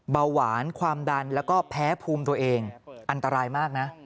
เบาหวานความดันแล้วก็แพ้ภูมิตัวเองอันตรายมากนะ